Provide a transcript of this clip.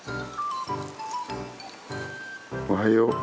おはよう。